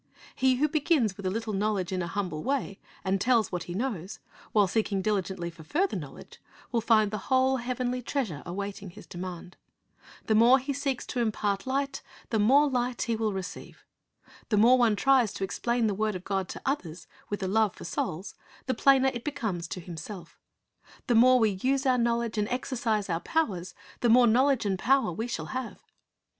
He who begins with a little knowledge, in a humble way, and tells what he knows, while seeking diligently for further knowledge, will find the whole heavenly treasure awaiting his demand. The more he seeks to impart light, the more light he will receive. The more one tries to explain the word of God to others, with a love for souls, the plainer it becomes to himself The more we use our knowledge and exercise our powers, the more knowledge and power we shall have.